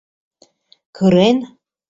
Кырен?